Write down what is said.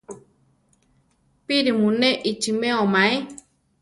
Píri mu ne ichimeo maé?